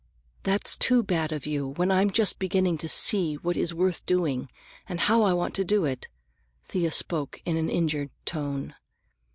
"That's too bad of you, when I'm just beginning to see what is worth doing, and how I want to do it!" Thea spoke in an injured tone.